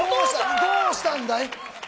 どうしたんだい？